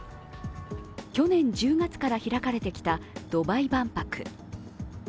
去年１０月から開かれてきたドバイ万博。